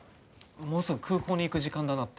もうすぐ空港に行く時間だなって。